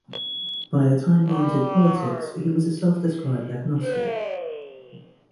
By the time he entered politics he was a self-described agnostic.